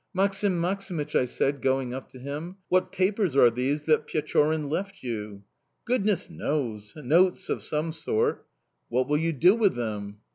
"Maksim Maksimych," I said, going up to him, "what papers are these that Pechorin left you?" "Goodness knows! Notes of some sort"... "What will you do with them?"